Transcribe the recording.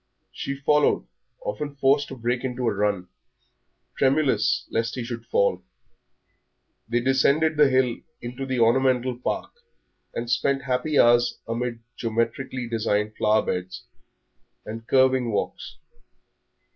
She followed, often forced to break into a run, tremulous lest he should fall. They descended the hill into the ornamental park, and spent happy hours amid geometrically designed flower beds and curving walks.